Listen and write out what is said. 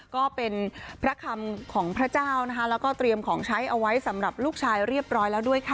ก็เป็นพระคำของพระเจ้านะคะแล้วก็เตรียมของใช้เอาไว้สำหรับลูกชายเรียบร้อยแล้วด้วยค่ะ